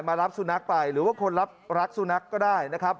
รับสุนัขไปหรือว่าคนรักสุนัขก็ได้นะครับ